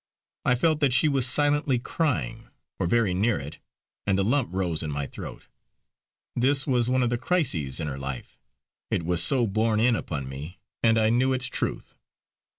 I felt that she was silently crying, or very near it; and a lump rose in my own throat. This was one of the crises in her life. It was so borne in upon me; and I knew its truth.